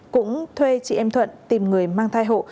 cũng thuê chị em thuận tìm người mang thai hộ